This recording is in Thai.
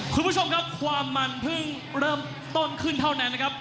คุณผู้ชมครับความมันเพิ่งเริ่มต้นขึ้นเท่านั้นนะครับ